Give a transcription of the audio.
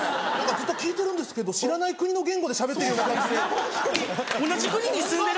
ずっと聞いてるんですけど知らない国の言語でしゃべってるような感じする。